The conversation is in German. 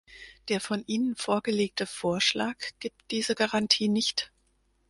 Der von Ihnen vorgelegte Vorschlag gibt diese Garantie nicht.